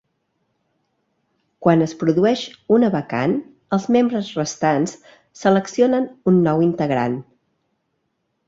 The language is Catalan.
Quan es produeix una vacant, els membres restants seleccionen un nou integrant.